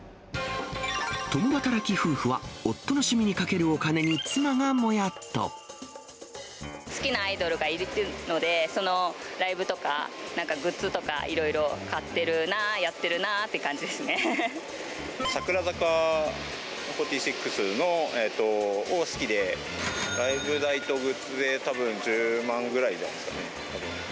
共働き夫婦は、夫の趣味にかける好きなアイドルがいるので、そのライブとか、なんかグッズとか、いろいろ買ってるな、やって櫻坂４６の好きで、ライブ代とグッズでたぶん、１０万ぐらいですかね、たぶん。